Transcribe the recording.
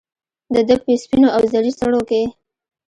دده په سپینواوزري څڼوکې